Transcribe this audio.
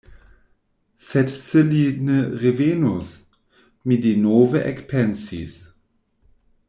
Sed se li ne revenus? Mi denove ekpensis.